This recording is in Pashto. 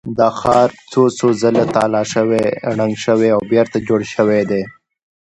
دا ښار څو څو ځله تالا شوی، ړنګ شوی او بېرته جوړ شوی دی.